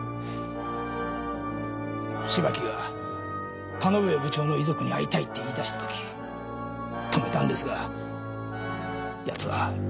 芝木が田ノ上部長の遺族に会いたいって言い出した時止めたんですが奴は耳を貸さなくて。